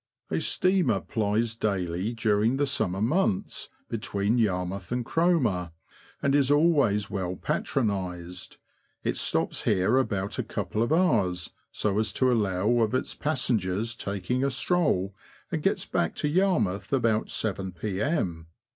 A steamer plies daily, during the summer months, THE ANT, TO NORTH WALSHAM AND CROMER. 189 between Yarmouth and Cromer, and is always well patronised ; it stops here about a couple of hours, so as to allow of its passengers taking a stroll, and gets back to Yarmouth about 7 P.M.